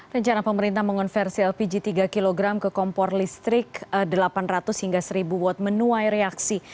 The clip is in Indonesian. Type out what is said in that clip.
rencana pemerintah mengonversi lpg tiga kg ke kompor listrik delapan ratus hingga seribu watt menuai reaksi